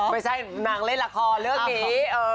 ไม่ใช่นางเล่นละครเรื่องนี้